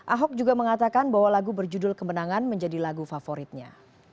ahok juga mengatakan bahwa lagu berjudul kemenangan menjadi lagu favoritnya